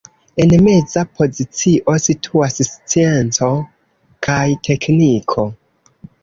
En meza pozicio situas scienco kaj tekniko.